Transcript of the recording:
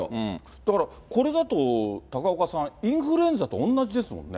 だから、これだと高岡さん、インフルエンザと同じですもんね。